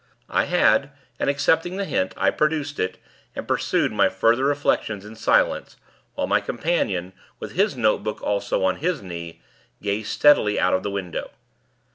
I had, and, accepting the hint, I produced it and pursued my further reflections in silence, while my companion, with his notebook also on his knee, gazed steadily out of the window.